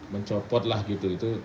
mencopot lah gitu